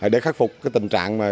để khắc phục tình trạng